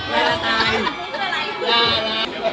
แม่ละตาย